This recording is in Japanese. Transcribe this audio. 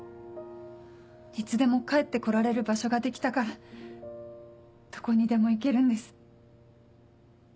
いつでも帰って来られる場所ができたからどこにでも行けるんです。